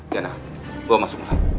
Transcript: diana bawa masuk mulan